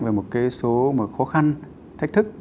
về một số khó khăn thách thức